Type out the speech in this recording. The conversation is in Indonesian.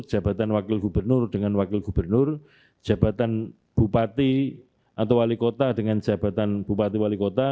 jabatan wakil gubernur dengan wakil gubernur jabatan bupati atau wali kota dengan jabatan bupati wali kota